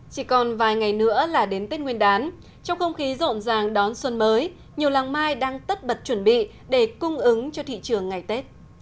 chỉ còn vài ngày nữa là đến tết nguyên đán trong không khí rộn ràng đón xuân mới nhiều làng mai đang tất bật chuẩn bị để cung ứng cho thị trường ngày tết